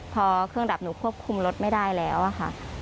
พอเครื่องดับหนูควบคุมรถไม่ได้แล้วค่ะ